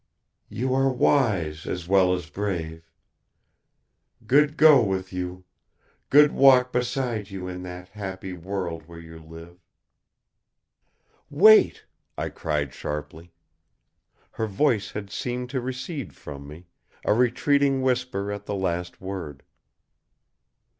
"You are wise as well as brave. Good go with you! Good walk beside you in that happy world where you live!" "Wait!" I cried sharply. Her voice had seemed to recede from me, a retreating whisper at the last word.